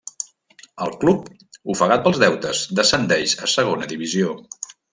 El club, ofegat pels deutes, descendeix a segona divisió.